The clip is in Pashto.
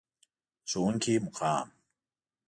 د ښوونکي مقام.